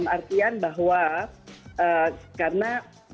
artian bahwa karena